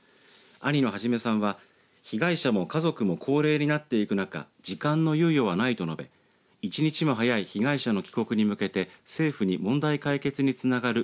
兄の孟さんは被害者も家族も高齢になっていく中時間の猶予はないと述べ１日も早い被害者の帰国に向けて政府に問題解決につながる